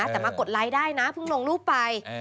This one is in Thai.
แต่มากดไลค์ได้นะเพิ่งลงรูปไป